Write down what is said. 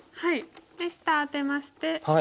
で下アテまして。